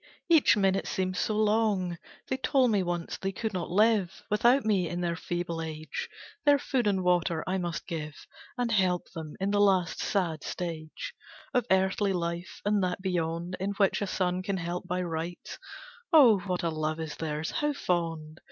each minute seems so long. They told me once, they could not live Without me, in their feeble age, Their food and water I must give And help them in the last sad stage Of earthly life, and that Beyond In which a son can help by rites. Oh what a love is theirs how fond!